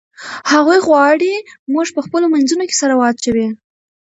هغوی غواړي موږ په خپلو منځونو کې سره واچوي.